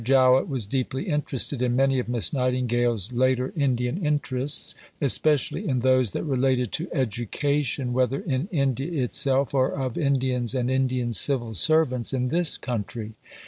Jowett was deeply interested in many of Miss Nightingale's later Indian interests especially in those that related to education, whether in India itself or of Indians and Indian civil servants in this country.